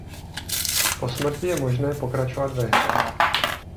Po smrti je možné pokračovat ve hře.